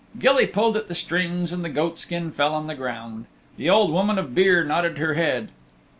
Gilly pulled at the strings and the goatskin fell on the ground. The Old Woman of Beare nodded her head.